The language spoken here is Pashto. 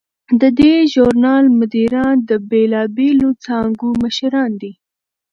د دې ژورنال مدیران د بیلابیلو څانګو مشران دي.